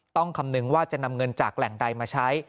คำนึงว่าจะนำเงินจากแหล่งใดมาใช้